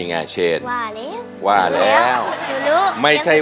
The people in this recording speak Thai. ยังไม่มีให้รักยังไม่มี